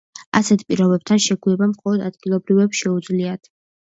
ასეთ პირობებთან შეგუება მხოლოდ ადგილობრივებს შეუძლიათ.